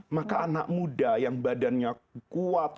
maka anak muda yang badannya kuat